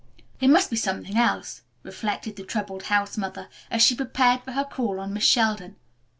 "It must be something else," reflected the troubled house mother, as she prepared for her call on Miss Sheldon.